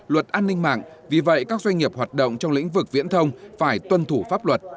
luật an ninh mạng vì vậy các doanh nghiệp hoạt động trong lĩnh vực viễn thông phải tuân thủ pháp luật